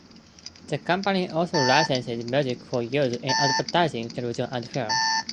The company also licenses music for use in advertising, television and film.